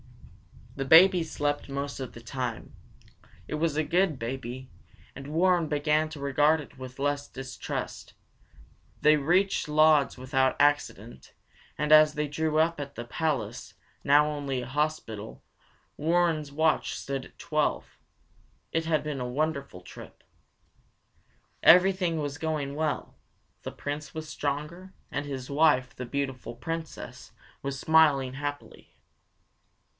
The baby slept most of the time. It was a good baby, and Warren began to regard it with less distrust. They reached Lodz without accident and as they drew up at the palace, now only a hospital, Warren's watch stood at twelve. It had been a wonderful trip. Everything was going well. The Prince was stronger, and his wife, the beautiful Princess, was smiling happily.